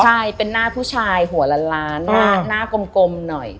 ใช่เป็นหน้าผู้ชายหัวล้านหน้ากลมหน่อย